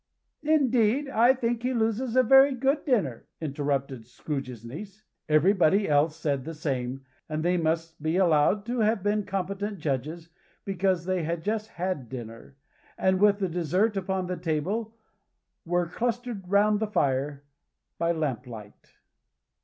"Indeed, I think he loses a very good dinner," interrupted Scrooge's niece. Everybody else said the same, and they must be allowed to have been competent judges, because they had just had dinner; and with the dessert upon the table, were clustered round the fire, by lamp light.